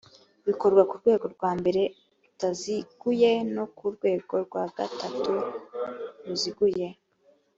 bikorwa ku rwego rwa mbere rutaziguye no ku rwego rwa gatatu ruziguye